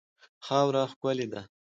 خاوره ښکلې ده.